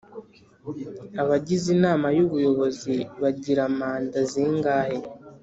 Abagize inama y Ubuyobozi bagira manda zingahe